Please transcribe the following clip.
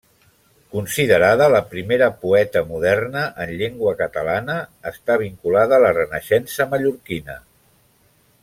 Considerada la primera poeta moderna en llengua catalana, està vinculada a la Renaixença mallorquina.